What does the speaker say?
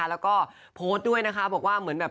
แล้วโพสต์ด้วยบอกว่า